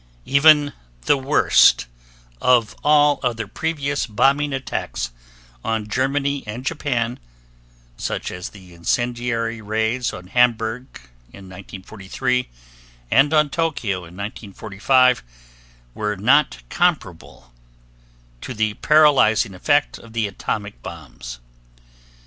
Even the worst of all other previous bombing attacks on Germany and Japan, such as the incendiary raids on Hamburg in 1943 and on Tokyo in 1945, were not comparable to the paralyzing effect of the atomic bombs.